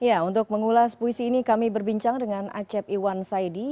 ya untuk mengulas puisi ini kami berbincang dengan acep iwan saidi